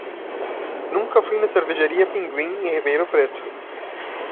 Nunca fui na cervejaria Pinguim em Ribeirão Preto.